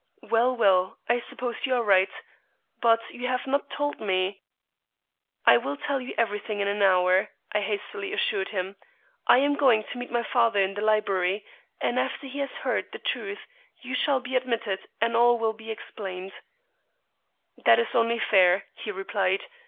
"Well, well, I suppose you are right. But you have not told me " "I will tell you every thing in an hour," I hastily assured him. "I am going to meet my father in the library, and after he has heard the truth, you shall be admitted and all will be explained." "That is only fair," he replied.